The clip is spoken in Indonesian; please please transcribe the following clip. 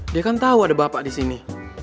dia kan tahu ada bapak di sini